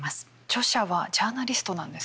著者はジャーナリストなんですね。